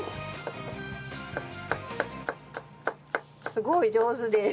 「すごい上手です」。